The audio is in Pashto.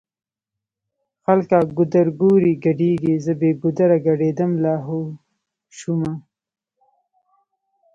خلکه ګودرګوري ګډيږی زه بې ګودره ګډيدمه لا هو شومه